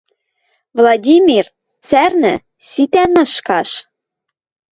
«Владимир, цӓрнӹ! Ситӓ нышкаш!